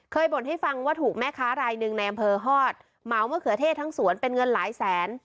บ่นให้ฟังว่าถูกแม่ค้ารายหนึ่งในอำเภอฮอตเหมามะเขือเทศทั้งสวนเป็นเงินหลายแสน